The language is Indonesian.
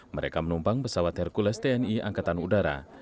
mereka menumpang pesawat hercules tni angkatan udara